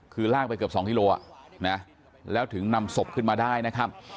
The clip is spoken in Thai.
คือลากไปเกือบ๒กิโลแล้วถึงนำศพขึ้นมาได้นะครับ